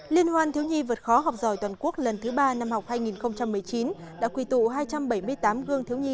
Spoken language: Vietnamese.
liên hoan thiếu nhi vượt khó học giỏi toàn quốc lần thứ ba năm học hai nghìn một mươi chín đã quy tụ hai trăm bảy mươi tám gương thiếu nhi